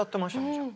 じゃあ。